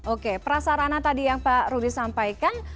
oke prasarana tadi yang pak rudi sampaikan